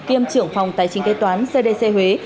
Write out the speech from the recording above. kiêm trưởng phòng tài chính kế toán cdc huế